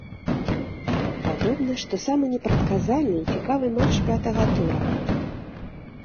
Падобна, што самы непрадказальны і цікавы матч пятага тура.